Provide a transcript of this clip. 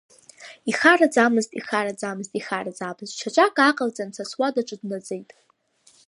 Ихараӡамызт, ихараӡамызт, ихараӡамызт, шьаҿак ааҟалҵан са суадаҿы днаӡеит!